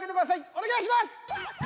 お願いします。